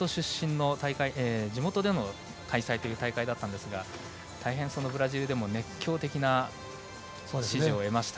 地元での開催という大会だったんですが大変、ブラジルでも熱狂的な支持を得ました。